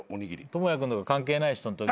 倫也君とか関係ない人のときに。